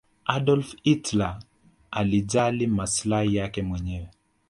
adolf hilter alijali masilai yake mwenyewe